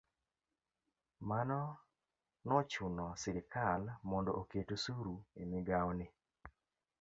Mano nochuno sirikal mondo oket osuru e migao ni.